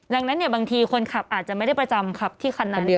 ดังนั้นบางทีคนขับอาจจะไม่ได้ประจำขับที่คันนั้น